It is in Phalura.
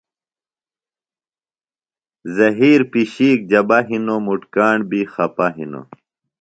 زہِیر پِشِیک جبہ ہِنوۡ، مُٹ کاݨ بیۡ خپہ ہِنوۡ